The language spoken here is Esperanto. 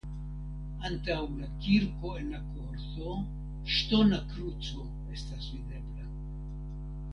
Antaŭ la kirko en la korto ŝtona kruco estas videbla.